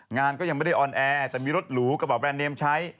งานก็ยังไม่ได้ออนแอร์แต่มีรถหรูกระเป๋าแรนดเนมใช้